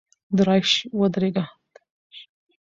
درایش ودرېږه !!